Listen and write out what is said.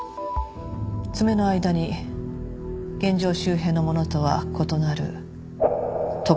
「爪の間に現場周辺のものとは異なる特殊な砂」。